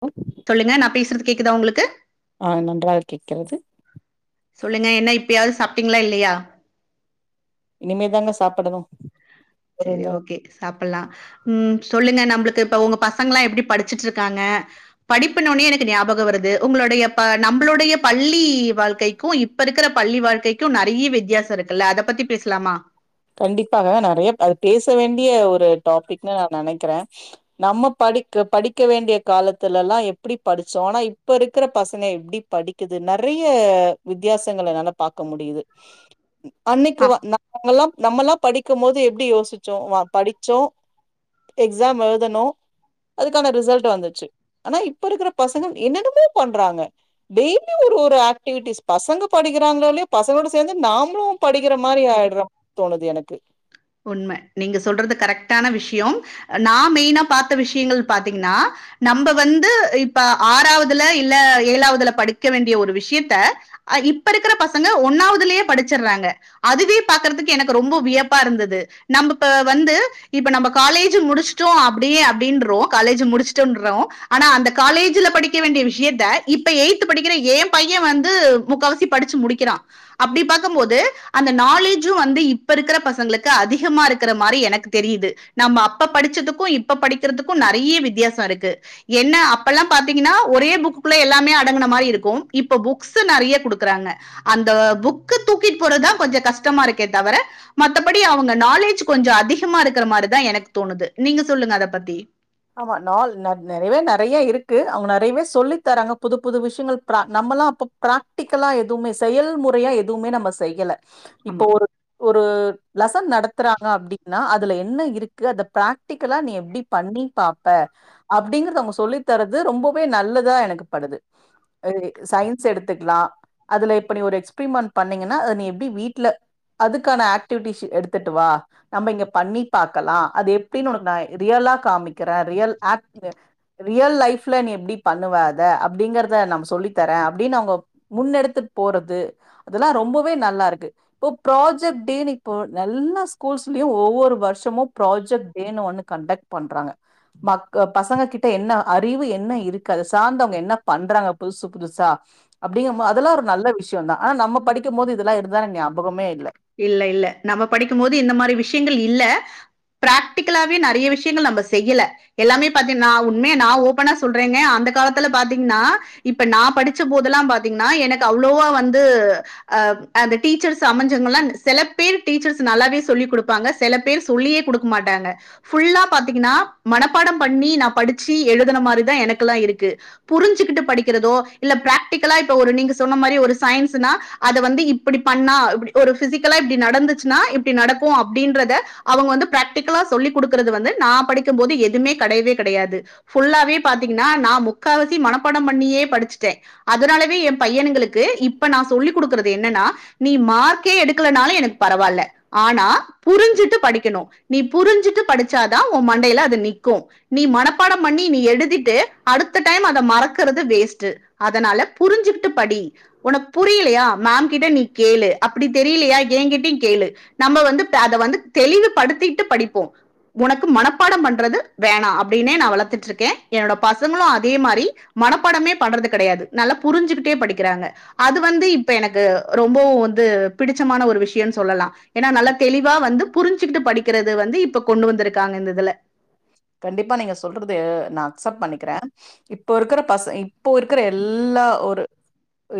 அ சொல்லுங்க நா பேசுறது கேக்குதா உங்களுக்கு ஆ நன்றாக கேட்கிறது சொல்லுங்க என்ன இப்பயாவுது சப் டிங்ளா இல்லயா? இனிமேதாங்க சாப்புடணு செரி ஓகே சாப்புல்லா ம் சொல்லுங்க நம் ளுக்கு இப்ப உங்க பசங்களா எப்டி படிச்சுட்ருக்காங்க படிப்புனோனே எனக்கு ஞாபக வருது உங்ளுடைய ப நம்பளுடைய பள்ளி வாழ்க்கைக்கு இப்ப இருக்குற பள்ளி வாழ்க்கைக்கு நறைய வித்தியாச இருக்குல்ல அத பத்தி பேசலாமா கண்டிப்பாக நறைய அது பேச வேண்டிய ஒரு டாபிக்னு நா நெனைக்கிறே நம்ம படிக்க படிக்க வேண்டிய காலத்துலலா எப்டி படுச்சோ ஆனா இப்ப இருக்குற பசங்க எப்டி படிக்கிது நறைய வித்யாசங்கல என்னால பாக்க முடியிது அன்னைக்கு ஆ வ நாமல்லா நம்மல்லா படிக்கும்மோது எப்டி யோசிச்சோ வ படிச்சோ எக்ஸாம் எழுதுனொ அதுக்கான ரிசல்ட் வந்துச்சு ஆனா இப்ப இருக்குற பசங்க என்னன்னமோ பண்றாங்க டெய்லி ஒரு ஒரு ஆக்டிவிட்டிஸ் பசங்க படிக்கிறாங்ளோலயோ பசங்களோட சேந்து நாம்ளு படிக்கிற மாரி ஆயிட்றொ தோணுது எனக்கு உண்ம நீங்க சொல்றது கரெக்டான விஷ்யம் நா மெயினா பாத்த விஷ்யங்கள் பாத்தீங்னா நம்ப வந்து இப்ப ஆறாவுதுல இல்ல ஏழாவுதுல படிக்க வேண்டிய ஒரு விஷ்யத்த அ இப்ப இருக்குற பசங்க ஒன்னாவதுலயே படிச்சுர்றாங்க அதுவே பாக்குறதுக்கு எனக்கு ரொம்ப விய ப்பா இருந்தது நம்பப்ப வந்து இப்ப நம்ப காலேஜு முடிச்டோ அப்டியே அப்டின்றோ காலேஜு முடுச்சுட்டொன்றோ ஆனா‌ அந்த காலேஜுல படிக்க வேண்டிய விஷயத்த‌ இப்ப எயித்து படிக்கிற ஏ பைய வந்து முக்காவாசி படுச்சு முடிக்கிறா அப்டி பாக்கும்மோது அந்த நாலேஜு வந்து இப்ப இருக்குற ப சங்ளுக்கு அதிகமா இருக்குற மாரி எனக்கு தெரியிது நம்ம அப்ப படுச்சதுக்கு இப்ப படிக்கிறதுக்கு நறைய வித்யாச இருக்கு என்ன அப்பல்லா பாத்தீங்கனா ஒரே புக்குக்குள்ள எல்லாமே அடங்குன மாரி இருக்கு இப்ப புக்ஸு நறைய குடுக்குறாங்க அந்த புக்க தூக்கிட்டு போறதா கொஞ்ச கஷ்டமா இருக்கே தவர மத்தபடி அவுங்க நாலேஜு கொஞ்ச அதிகமா இருக்குற மாரிதா எனக்கு தோணுது நீங்க சொல்லுங்க அத பத்தி ஆமா நாள் ந நறையவே நறைய இருக்கு அவுங்க நறையவே சொல்லி தராங்க புது புது விஷ்யங்கள் ப்ரா நம்மல்லா அப்ப ப்ராக்டிக்கலா எதுவ்மே செயல்முறையா எதுவ்மே நம்ம செய்யல இப்ப ஆமா. ஒரு ஒரு லெசன் நடத்துறாங்க அப்டின்னா அதுல என்ன இருக்கு அத ப்ராக்டிக்கலா நீ எப்டி பண்ணி பாப்ப அப்டிங்குறத அவுங்க சொல்லி தரது ரொம்பவே நல்லதா எனக்கு படுது சயின்ஸ் எடுத்துக்லா அதுல இப்ப நீ ஒரு எக்ஸ்பிரிமென்ட் பண்ணீங்கன்னா நீ எப்டி வீட்ல அதுக்கான ஆக்டிவிட்டிஸ் எடுத்துட்டு வா நம்ம இங்க பண்ணி பாக்கலா அது எப்டின் ஒனக்கு நா ரியலா காமிக் ல நீ எப்படி பண்ணுவ அத அப்படிங்கறத ந சொல்லி தரேன் அப்படின்னு அவங்க முன்னெடுத்து போறது அதல்லா ரொம்பவே நல்லா இருக்கு இப்ப பக இல்லாூ ஒவ்வொரு வருஷமும் பக ஒக்ட் பண்றாங்க மக்க பசங்க கிட்ட என்ன அறிவு என்ன இருக்காது சார்ந்தவங்க என்ன பண்றாங்க புதுசு புதுசா அப்டிங்க போது அதெல்லா ஒரு நல்ல விஷ் டு வந்தா ஆனா நம்ம படிக்கும் போது இதெல்லா இருந்ததா ஞாபகமே இல்ல இல்ல இல்ல நம்ம படிக்கும் போது இந்த மாரி விஷ்யங்கள் இல்ல பிராக்டிக்கலாவே நறைய விஷ்யங்கள் நம்ம செய்யல எல்லாமே பாத்தீங்கனா உண்மையா நா ஓப்பனா சொல்றேங்க அந்த காலத்துல பாத்தீங்கன்னா இப்ப நா படிச்ச போதெல்லா பாத்தீங்கன்னா எனக்கு அவ்ளோவா வந்து அ அந்த டீச்சர்ஸ் அமஞ் [unintelligible] செல பேர் டீச்சர்ஸ் நல்லாவே சொல்லி குடுப்பாங்க சில பேர் சொல்லியே குடுக்க மாட்டாங்க ஃபுல்லா பாத்தீங்கன்னா மனப்பாடம் பண்ணி நா படிச்சி எழுதன மாரிதா எனக்கெல்லா இருக்கு புருஞ்சுகிட்டு படிக்கிறதோ இல்ல பிராக்டிக்களா இப்ப ஒரு நீங்க சொன்ன மாரி ஒரு சைன்ஸ்சுனா அது வந்து இப்புடி பண்ணா இப்டி ஒரு பிசிக்கலா இப்டி நடந்துச்சுன்னா இப்டி நடக்கு அப்டின்றத அவங்க வந்து பிராக்டிக்கலா சொல்லிக் குடுக்கறது வந்து நா படிக்கும் போது எதுமே கெடையவே கெடையாது ஃபுல்லாவே பாத்தீங்கன்னா நா முக்காவாசி மனப்படம் பண்ணியே படிச்சட்ட அதனாலவே எம் பையனுங்களுக்கு இப்ப நா சொல்லிக் குடுக்கறது என்னன்னா நீ மார்க் க்கே எடுக்கலனாலு எனக்கு பரவால்ல ஆனா புருஞ்சுட்டு படிக்கணு நீ புருஞ்சுட்டு படிச்சாதா உம் மண்டையில அது நிக்கு நீ மனப்பாடம் பண்ணி நீ எழுதிட்டு அடுத்த டைம் அத மறக்குறது வேஸ்டு அதனால புருஞ்சுட்டு படி ஒன்ன புரியலயா மேம் கிட்ட நீ கேளு அப்டி தெரியலையா ஏங்கிட்டியுங் கேளு நம்ம வந்து அத வந்து தெளிவுபடுத்திட்டு படிப்போ உனக்கு மனப்பாடம் பண்றது வேணா அப்டின்னே நா வளத்துட்ருக்க என்னோட பசங்களும் அதே மாரி மனப்பாடமே பண்றது கெடையாது நல்லா புரிஞ்சுகிட்டே படிக்கிறாங்க அது வந்து இப்ப எனக்கு ரொம்பவு வந் து பிடிச்சமான ஒரு விஷ்யன் சொல்லலா ஏன்னா நல்லா தெளிவா வந்து புரிஞ்சுக்கிட்டு படிக்கிறது வந்து இப்ப கொண்டு வந்துருக்காங்க இந்த இதுல கண்டிப்பா நீங்க சொல்றது நா அக்செப்ட் பண்ணிக்கிற இப்போ இருக்குற பச இப்போ இருக்குற எல்லா ஒரு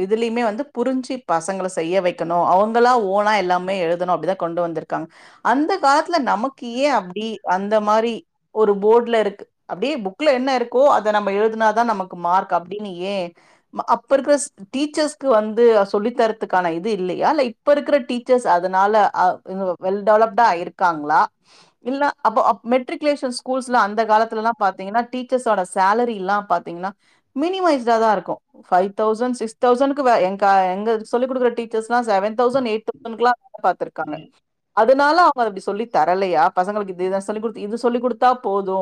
இதுலயுமே வந்து புருஞ்சு பசங்கள செய்ய வெக்கணு அவங்களா ஓனா எல்லாமே எழுதணு அப்டிதா கொண்டு வந்துருக்காங்க அந்த காலத்துல நமக்கு ஏ அப்டி அந்த மாரி ஒரு போர்ட்ல இருக்கு அப்டியே புக்ல என்ன இருக்கோ அத நம்ம எழுதுனாதா நமக்கு மார்க் அப்டின்னு ஏ அப்ப இருக்குற டீச்சர்ஸ்கு வந்து சொல்லி தரதுக்கான இது இல்லையா இல்ல இப்ப இருக்குற டீச்சர்ஸ் அதனால அ வெல்டெவலப்டா இருக்காங்களா இல்ல அப்ப மெட்ரிக் குலேஷன் ஸ்கூல்ஸ் எல்லா அந்த காலத்துல எல்லா பார்த்தீங்கன்னா டீச்சர்ஸ் ஓட சேரி எல்லா பார்த்தீங்கன்னா மினி மைஸ்சாதா இருக்கு ஃபைவ் தவுசண் சிக் தவுசண்க்கு வே எங் கா எங்க சொல்லி குடுக்குற டீச்சர்ஸ்லா செவண் தவுசண் [inaudible] பாத்துருக்காங்க அதனால அவங்க அப்டி சொல்லி தரலயா பசங்களுக்கு இது இதுதா சொல்லி குடுத்த இதுஸ் சொல்லிக் கொடுத்தா போது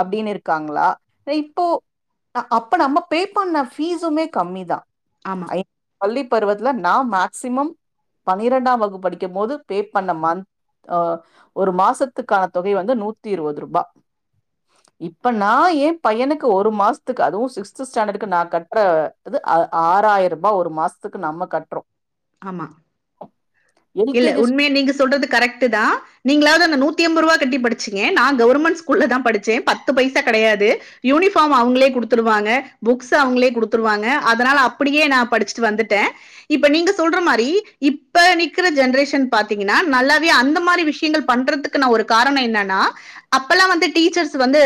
அப்டின்னு இருக்காங்களா இப்போ அப்போ நம்ம பே பண்ண பீஸுமே கம்மிதா [inaudible] ஆமா பருவத்துல நா மேக்சிமம் பன்னிரெண்டாம் வகுப்பு படிக்கும்போது பே பண்ண மந்த் ஒரு மாசத்துக்கான தொகை வந்து நூத் தி இருவது ரூபா இப்ப நா ஏ பையனுக்கு ஒரு மாசத்துக்கு அதுவு சிகஸ்த்து ஸ்டேண்டடுக்கு நா கட்டுறது ஆறாயிரூபா ஒரு மாசத்துக்கு நம்ம கட்றோ ஆமா இல்ல எல்கேஜி உண்மையா நீங்க சொல்றது கரெக்ட்டுதா நீங்களாவது அந்த நூத்தி ஐம்பதுரூபாக் கட்டி படிச்சீங்க நாங் கவுர்மென்ட் ஸ்கூல்லதா படிச்சே பத்து பைசா கெடையாது யூனிப்பார்ம் அவங்களே குடுத்துருவாங்க புக்சு அவங்களே குடுத்துருவாங்க அதனால அப்புடியே நா புடுச்சுட்டு வந்துட்ட இப்ப நீங்க சொல்ற மாரி இப்ப நீ இருக்குற ஜென்றேசன் பார்த்தீங்கன்னா நல்லாவே அந்த மாரி விஷ்யங்கள் பண்றதுக்கு ஒரு காரணோ என்னன்னா அப்பல்லா வந்து டீச்சர்ஸ் வந்து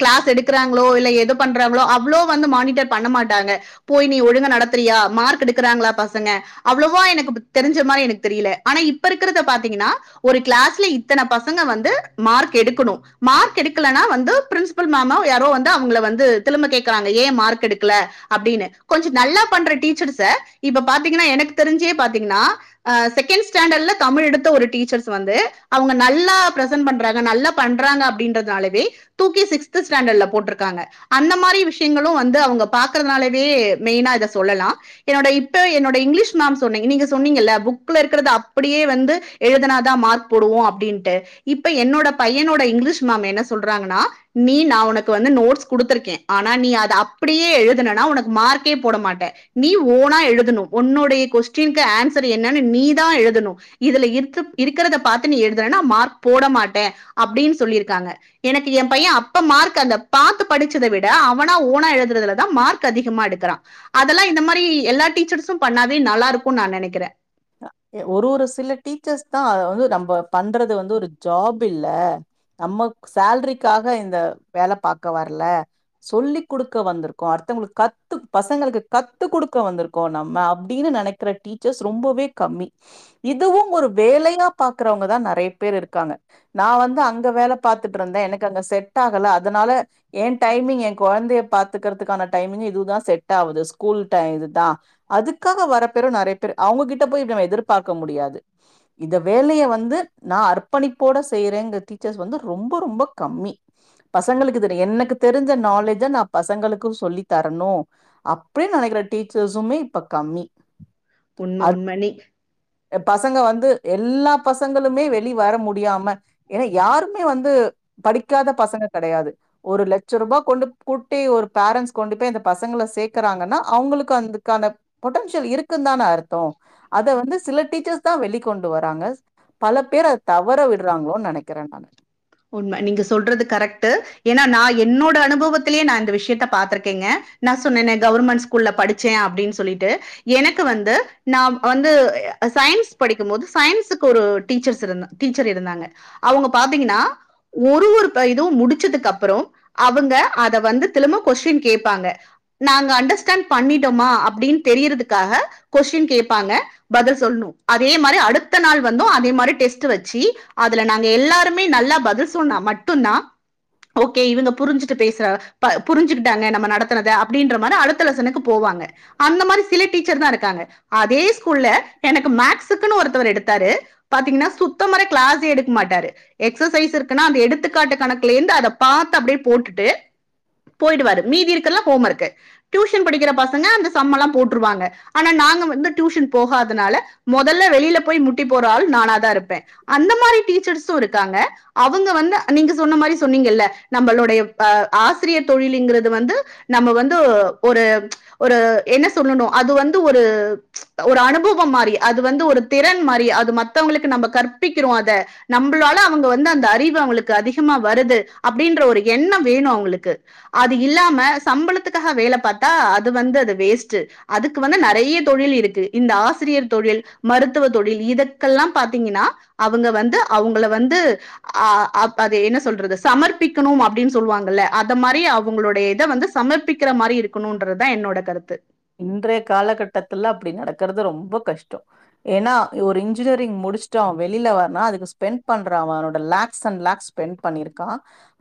கிளாஸ் எடுக்கங்களோ இல்ல எது பண்றாங்களோ அவ்ளோ வந்து மாணிட்டர் பண்ண மாட்டாங்க போய் நீ ஒழுங்கா நடத்துரியா மார்க் எடுக்குறாங்களா பசங்க அவ்ளோவா எனக்கு தெருஞ் தெருஞ்ச மாரி எனக்கு தெரியல ஆனா இப்ப இருக்குறத பார்த்தீங்கன்னா ஒரு கிளாஸ்ல இத்தன பசங்க வந்து மார்க் எடுக்கனு மார்க் எடுக்கலனா வந்து பிரின்சிப்பள் மேம்மோ யாரோ வந்து அவங்கள வந்து திளும்ப கேக்குறாங்க ஏ மார்க் எடுக்கல அப்டின்னு கொஞ்ச நல்லா பண்ற டீச்சர்ஸ்ச இப்ப பாத்தீங்கன்னா எனக்கு தெருஞ்சே பார்த்தீங்கன்னா ஏ செக்கெண்ட் ஸ்டேண்டர்டுல தமிழ் எடுத்த ஒரு டீச்சர்ஸ் வந்து அவங்க நல்லா பிரசன் பண்றாங்க நல்லா பண்றாங்க அப்டின்றதுனாலவே தூக்கி சிக்ஸ்த்து ஸ்டேண்டர்டுல போட்ருக்காங்க அந்த மாரி விஷ்யங்களு வந்து அவங்க பாக்குறதுனாலவே மெயினா இத சொல்லலா என்னோட இப்ப என்னோட இங்கிலீஷ் மேம் சொன்னீங்க நீங்க சொன்னீங்கள புக்குல இருக்குறத அப்புடியே வந்து எழுதுனாதா மார்க் போடுவோ அப்டின்டு இப்ப என்னோட பையனோட இங்லீஷ் மேம் என்ன சொல்றாங்கற்னா நீ நா உனக்கு வந்து நோட்ஸ் குடுத்துருக்கே ஆனா நீ அத அப்புடியே எழுதுனனா உனக்கு மார்க்கே போட மாட்ட நீ ஓன்னா எழுதனு ஒன்னோடைய கொஸ்டீன்க்கு ஏன்ஸ்சர் து என்னன் நீ தா எழுதனு இதுல இருத்துப் இருக்குறது பாத்து நீ எழுதறனா மார்க் போட் மாட்ட அப்டின் சொல்லிருக்காங்க எனக்கு எம் பைய அப்ப மார்க் அந்த பாத்து படுச்சத விட அவனா ஓனா எழுதுறதுலதா மார்க் அதிகமா எடுக்குறா அதெல்லா இந்த மாரி எல்லா டீச்சர்ஸ்சும் பண்ணாவே நல்லாருக்குன் நா நெனைக்கிற ஒரு ஒரு சில டீச்சர்ஸ் தா அத வந்து நம்ப பண்றது வந்து ஒரு ஜாப் இல்ல நம்ம சேல்ரிக்காக இந்த வேல பாக்க வர்ல சொல்லி் குடுக்க வந்துருக்கோ அடுத்தவங்களுக்கு கத்து பசங்களுக்கு கத்து குடுக்க வந்துருக்கோ நம்ம அப்டின்னு நெனைக்குற டீச்சர்ஸ் ரொம்பவே கம்மி இதுவு ஒரு வேலையா பாக்குறவங்கதா நெறைய பேர் இருக்காங்க நா வந்து அங்க வேல பாத்துட்ருந்த எனக்கு அங்க செட் ஆகல அதனால எ டைமிங் எ கொழந்தைய பாத்துக்குறதுக்கான டைமிங் இதுதா செட் ஆவுது ஸ்கூல் டைம் இதுதா அதுக்காக வர பேரு நறைய பேரு அவுங்க கிட் ட்ட போய் நம்ம எதிர்பார்க்க முடியாது இந்த வேலைய வந்து நா அர்ப்பணிப்போட செய்றேங்க டீச்சர்ஸ் வந்து ரொம்ப ரொம்ப கம்மி பசங்களுக்கு எனக்கு தெரிஞ்ச நாலேஜ நா பசங்களுக்கு சொல்லி தரணு அப்டின் நெனைக்கிற டீச்சர்ஸுமே இப்ப கம்மி உண்ம உண்ம நீ பசங்க வந்து எல்லா பசங்களுமே வெளி வர முடியாம ஏன்னா யாருமே வந்து படிக்காத பசங்க கெடையாது ஒரு லட்சரூபா கொண்டு கூட்டி ஒரு பேரண்ஸ் கொண்டு போய் அந்த பசங்கள சேக்குறாங்கன்னா அவங்களுக்கு அதுக்கான பொட்டன்சியல் இருக்குன்தான அருத்தோ அத வந்து சில டீச்சர்ஸ்தா வெளிக் கொண்டு வராங்க பல பேர் அத தவற விடுறாங்களோன் நெனைக்கிற நானு உண்ம நீங்க சொல்றது கரெக்ட்டு ஏன்னா நா என்னோட அனுபவத்திலேயே நா இந்த விஷ்யத்த பாத்துருக்கேங்க நா சொன்னனே கவுர்மெண்ட் ஸ்கூல்ல படிச்ச அப்டின் சொல்லிட்டு எனக்கு வந்து நா வந்து சயின்ஸ் படிக்கும் போது சயின்ஸுக்கு ஒரு டீச்சர்ஸ் இருந்தா டீச்சர் இருந்தாங்க அவுங்க பாத்தீங்கன்னா ஒரு ஒரு இதுவு முடிச்சதுக்கப்புறோ அவுங்க அத வந்து திளும்ப கொஸ்டின் கேப்பாங்க நாங்க அண்டர்ஸ்டேண்டு பண்ணிட்டோமா அப்டின் தெரியிறதுக்காக கொஸ்டின் கேப்பாங்க பதில் சொல்ணு அதே மாரி அடுத்த நாள் வந்து அதே மாரி டெஸ்ட்டு வெச்சு அதுல நாங்க எல்லாருமே நல்லா பது இது சொன்னா மட்டுந்தா ஓகே இவுங்க புருஞ்சுட்டு பேஸ் புருஞ்சுக்கிட்டாங்க நம்ம நடத்துனத அப்டின்னா மாரி அடுத்த லெசனுக்கு போவாங்க அந்த மாரி சில டீச்சர்ஸ்தா இருக்காங்க அது ஸ்கூல்ல எனக்கு கேக்சுக்குனு ஒருத்தவரு எடுத்தாரு பார்த்தீங்கன்னா சுத்தமர கிளாஸ்சே எடுக்க மாட்டாரு எக்ச சைஸ் இருக் க்னா அந்த எடுத்துக்காட்ட பாத்து அடியே போட்டு போயிவரு மீதிக்க ூ படிக்க பச அந்தம்ம எாம் போட்டுவாங்க ஆனா நாங்க வந்து ூன் போகாதனால முதல்ல வெளியில போய் முட்டி போறள் நான தான் இருப்பேன் அந்த மாதிரி டர் இருக்காங்க [unintelligible] அவங்க வந்து நீங்க சொன்ன மாரி சொன்னீங்கல்ல நம்மளுடைய அ ஆசிரியர் தொழிலுங்குறது வந்து நம்ம வந்து ஒரு ஒரு என்ன சொல்லணு அது வந்து ஒரு ஒரு அனுபவோம் மாரி அது வந்து ஒரு திறன் மாரி அது மத்தவங்களுக்கு நம்ம கற்பிக்கிறோ அத நம்பளால அவங்க வந்து அந் அந்த அறிவு அவங்களுக்கு அதிகமா வருது அப்டின்ற ஒரு எண்ணம் வேணு அவங்களுக்கு அது இல்லாம சம்பளத்துக்காக வேல பாத்தா அது வந்து அது வேஸ்ட்டு அதுக்கு வந்து நெறைய தொழில் இருக்கு இந்த ஆசிரியர் தொழில் மருத்துவ தொழில் இதக்கெல்லாம் பாத்தீங்கன்னா அவங்க வந்து அவங்கள வந்து அ அப் அது என்ன சொல்றது சமர்ப்பிக்கணும் அப்டின் சொல்லுவாங்கல்ல அத மாரி அவங்களோடைய இத வந்து சமர்ப்பிக்கிற மாரி இருக்கணுன்றதுதா என்னோட கருத்து இன்றைய காலகட்டத்துல அப்டி நடக்குறது ரொம்ப கஷ்டோ ஏன்னா ஒரு இன்ஜினியரிங் முடுச்சுட்ட அவ வெளில வர்னா அதுக்கு ஸ்பெண்ட் பண்ற அவனோட லேக்ஸ் அண்ட் லேக்ஸ் ஸ்பெண்ட் பண்ணிருக்கா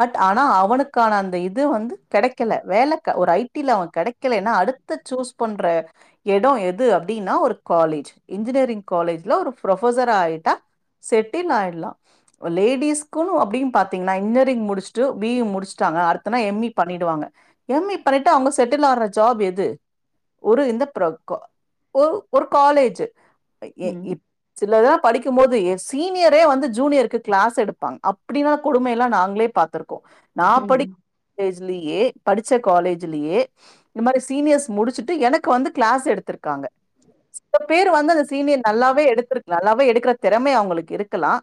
பட் ஆனா அவனுக்கான அந்த இது வந்து கெடைக்கல வேல ஒரு ஐடில அவ கெடைக்கலன்னா அடுத் து சூஸ் பண்ற எடோ எது அப்டின்னா ஒரு காலேஜ் இன்ஜினியரிங் காலேஜ்ல ஒரு ஃப்ரொபசர் ஆயிட்டா செட்டில் ஆயிடலா லேடிஸ்க்குன் அப்டின் பாத்தீங்கன்னா இன்ஜினியரிங் முடுச்சுட்டு பி இ முடுச்சுட்டாங்க அடுத்தனா எம் ஏ பண்ணிடுவாங்க எம் ஏ பண்ணிட்டு அவங்க செட்டில் ஆகுற ஜாப் எது ஒரு இந்த ப்ரொக்கோ ஒ ஒரு காலேஜூ ஏ ம், இப் சிலதாப் படிக்கும் போது ஏ சீனியரே வந்து ஜூனியருக்கு கிளாஸ் எடுப்பாங் அப்டினா கொடுமையெல்லா நாங்ளே பாத்துருக்கோ நா ம். படிக் ஏஜ் லியே படிச்ச காலேஜ்லியே இந்த மாரி சீனியர்ஸ் முடிச்சுட்டு எனக்கு வந்து கிளாஸ் எடுத்திருக்காங்க சில பேர் வந்து அந்த சீனியர் நல்லாவே எடுத்திருக் நல்லாவே எடுக்கற தெறமை அவுங்களுக்கு இருக்கலா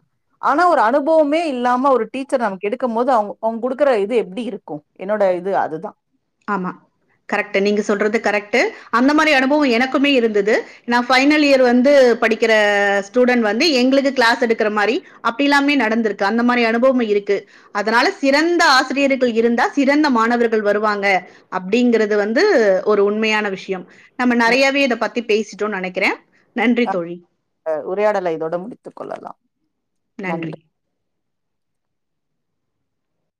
ஆனா ஒரு அனுபவமே இல்லாம ஒரு டீச்சர் நமக்கு எடுக்கம் போது அவுங்க அவுங் குடுக்குற இது எப்டி இருக்கும் என்னோட இது அது தா ஆமா கரெக்ட் நீங்க சொல்றது கரெக்ட் ட்டு அந்த மாரி அனுபுவோ எனக்குமே இருந்துது நா பைனல் இயர் வந்து படிக்கிற ஸ்டூடண் வந்து எங்ளுக்கு கிளாஸ் எடுக்கற மாரி அப்டியெல்லாமே நடந்திருக்கு அந்த மாரி அனுபவம் இருக்கு அதனால சிறந்த ஆசிரியர்கள் இருந்தா சிறந்த மாணவர்கள் வரும் வாங்க அப்டிங்கறது வந்து ஒரு உண்மையான விஷ்யம் நம்ம நெறையாவே இத பத் தி பேசிட்டோனு நனைக்கற அ அ உரையாடலை இதோட முடித்து கொள்ளலா நன்றி. நண்டு